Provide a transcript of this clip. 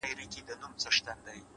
پرمختګ د هڅو تسلسل غواړي’